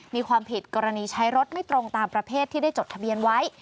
มีความผิดกรณีใช้รถไม่ตรงตามประเภทที่ได้จดทะเบียนไว้